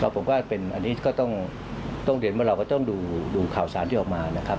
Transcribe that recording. ผมว่าเป็นอันนี้ก็ต้องเรียนว่าเราก็ต้องดูข่าวสารที่ออกมานะครับ